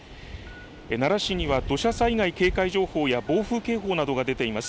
奈良市には土砂災害警戒情報や暴風警報などが出ています。